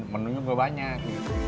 menunya juga banyak